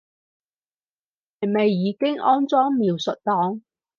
係咪已經安裝描述檔